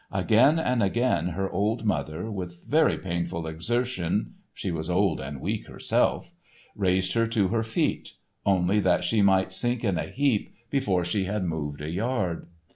Again and again her old mother, with very painful exertion—she was old and weak herself—raised her to her feet, only that she might sink in a heap before she had moved a yard.